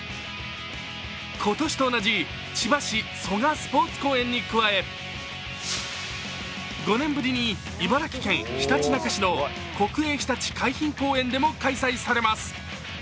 今年と同じ千葉市蘇我スポーツ公園に加え、５年ぶりに茨城県ひたちなか市の国営ひたち海浜公園でも開催されます。